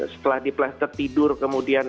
setelah diplaster tidur kemudian